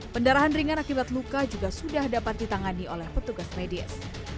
pendarahan ringan akibat luka juga sudah dapat ditangani oleh petugas medis